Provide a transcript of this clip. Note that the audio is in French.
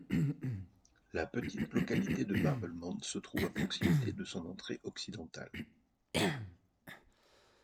La petite localité de Marblemount se trouve à proximité de son entrée occidentale.